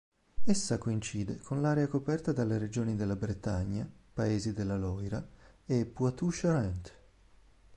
Essa coincide con l'area coperta dalle Regioni della Bretagna, Paesi della Loira, e Poitou-Charentes.